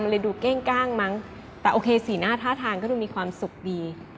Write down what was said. เลยดูเก้งกล้างมั้งแต่โอเคสีหน้าท่าทางก็ดูมีความสุขดี